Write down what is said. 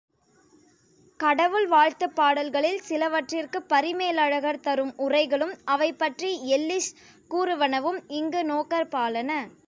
கடவுள் வாழ்த்துப் பாடல்களில் சிலவற்றிற்குப் பரிமேலழகர் தரும் உரைகளும் அவை பற்றி எல்லிஸ் கூறுவனவும் இங்கு நோக்கற்பாலன.